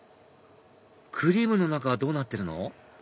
クリームの中はどうなってるの？